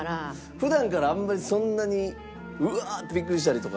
普段からあんまりそんなに「うわあ！」ってビックリしたりとか。